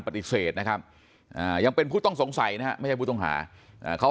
ปฏิเสธนะครับยังเป็นผู้ต้องสงสัยนะฮะไม่ใช่ผู้ต้องหาเขา